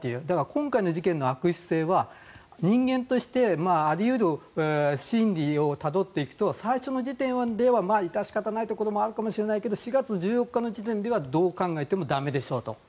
今回の事件の悪質性は人間としてあり得る心理をたどっていくと最初の時点ではまだ致し方ないところもあるかもしれないけれど４月１４日の時点ではどう考えても駄目でしょうと。